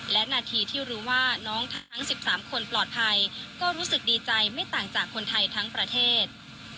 และนาทีที่รู้ว่าน้องทั้ง๑๓คนปลอดภัยก็รู้สึกดีใจไม่ต่างจากคนไทยทั้งประเทศ